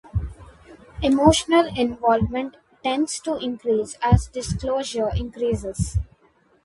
Emotional involvement tends to increase as disclosure increases.